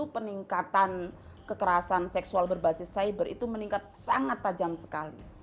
peningkatan kekerasan seksual berbasis cyber itu meningkat sangat tajam sekali